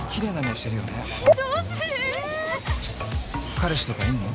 彼氏とかいんの？